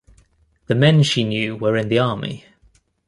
The men she knew were in the army.